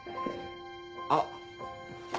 あっ。